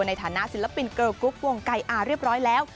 ในฐานะศิลปินเกอร์กุ๊กวงไก่อาเรียบร้อยแล้ว